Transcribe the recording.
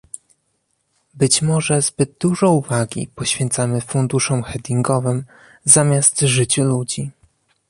Być może zbyt dużo uwagi poświęcamy funduszom hedgingowym zamiast życiu ludzi